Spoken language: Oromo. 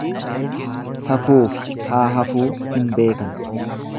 Safuufi haa hafuu hin beekan.